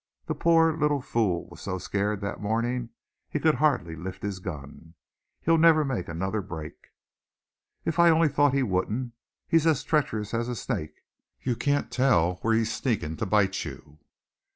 The poor little fool was so scared that morning he could hardly lift his gun. He'll never make another break." "If I only thought he wouldn't! He's as treacherous as a snake, you can't tell where he's sneaking to bite you.